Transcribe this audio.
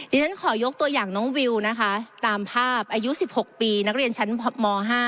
ฉันขอยกตัวอย่างน้องวิวนะคะตามภาพอายุ๑๖ปีนักเรียนชั้นม๕